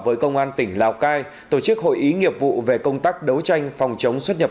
với công an tỉnh lào cai tổ chức hội ý nghiệp vụ về công tác đấu tranh phòng chống xuất nhập